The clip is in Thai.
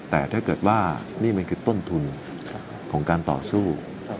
แต่ถ้าเกิดว่านี่มันคือต้นทุนของการต่อสู้